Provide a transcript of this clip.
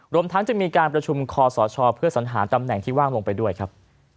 รวมทั้งจะมีการประชุมคอสชเพื่อสัญหาตำแหน่งที่ว่างลงไปด้วยครับ